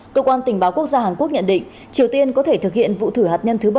cơ quan tình báo quốc gia hàn quốc nhận định triều tiên có thể thực hiện vụ thử hạt nhân thứ bảy